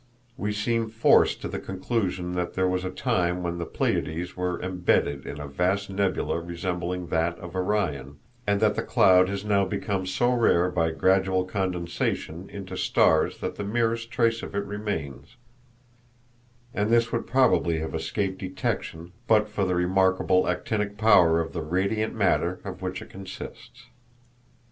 We seem forced to the conclusion that there was a time when the Pleiades were embedded in a vast nebula resembling that of Orion, and that the cloud has now become so rare by gradual condensation into stars that the merest trace of it remains, and this would probably have escaped detection but for the remarkable actinic power of the radiant matter of which it consists.